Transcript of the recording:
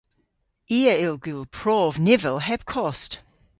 I a yll gul prov nivel heb kost.